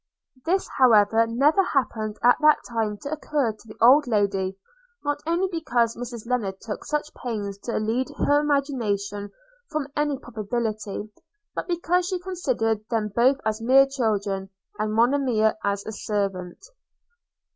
This however never happened at that time to occur to the old lady; not only because Mrs Lennard took such pains to lead her imagination from any such probability, but because she considered them both as mere children, and Monimia as a servant.